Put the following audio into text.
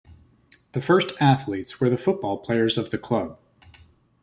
The first athletes were the football players of the club.